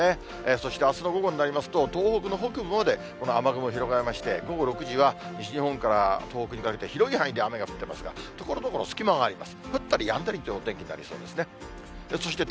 そしてあすの午後になりますと、東北の北部までこの雨雲広がりまして、午後６時は西日本から東北にかけて、広い範囲で雨が降ってますが、ところどころ隙間があります。